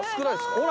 ほら。